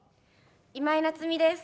今井菜津美です。